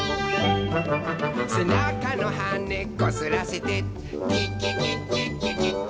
「せなかのはねこすらせて」「キッキキッキッキキッキッキ」